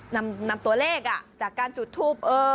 นำตัวเลขจากการจุดทูป